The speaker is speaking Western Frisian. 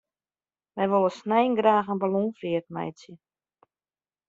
Wy wolle snein graach in ballonfeart meitsje.